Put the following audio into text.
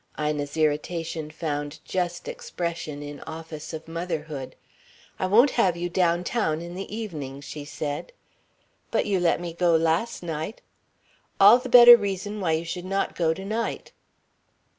Ina's irritation found just expression in office of motherhood. "I won't have you downtown in the evening," she said. "But you let me go last night." "All the better reason why you should not go to night."